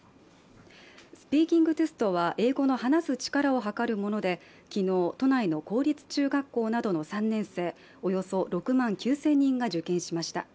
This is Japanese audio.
スピーキングテストは英語の話す力をはかるもので昨日、都内の公立中学校などの３年生およそ６万９０００人が受験しました。